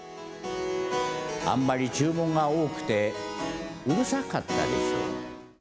あんまり注文が多くて、うるさかったでしょ。